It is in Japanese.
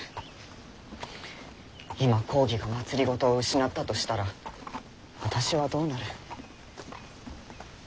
今公儀が政を失ったとしたら私はどうなる？